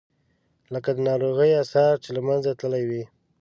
لکه د ناروغۍ آثار چې له منځه تللي وي.